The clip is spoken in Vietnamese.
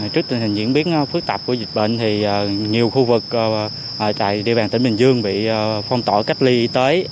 trước tình hình diễn biến phức tạp của dịch bệnh thì nhiều khu vực tại địa bàn tỉnh bình dương bị phong tỏa cách ly y tế